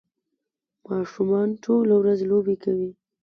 ماشومان ټوله ورځ لوبې کوي.